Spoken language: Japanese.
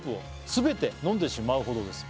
「すべて飲んでしまうほどです」